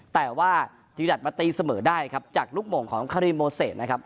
แต่ว่าจีวิดัดมาตีเสมอได้ครับจากลูกหม่งของคารีโมเศษนะครับ